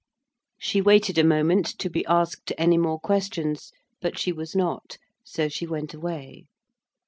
She waited a moment to be asked any more questions, but she was not, so she went away.